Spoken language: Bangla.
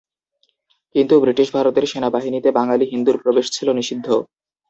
কিন্তু ব্রিটিশ ভারতের সেনাবাহিনীতে বাঙালি হিন্দুর প্রবেশ ছিল নিষিদ্ধ।